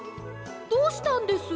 どうしたんです？